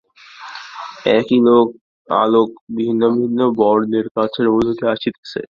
একই আলোক ভিন্ন ভিন্ন বর্ণের কাচের মধ্য দিয়া আসিতেছে।